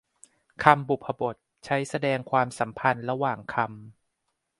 คำบุพบท ใช้แสดงความสำพันธ์ระหว่างคำ